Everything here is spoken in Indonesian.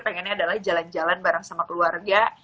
pengennya adalah jalan jalan bareng sama keluarga